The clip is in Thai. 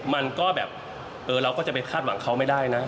มันก็แบบเออเราก็จะไปคาดหวังเขาไม่ได้นะ